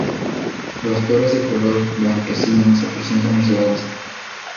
Las flores de color blanquecino se presentan aisladas.